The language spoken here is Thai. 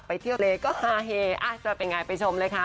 ไปเที่ยวเศรษฐ์ก็ฮาเฮอ่ะจะเป็นยังไงไปชมเลยค่ะ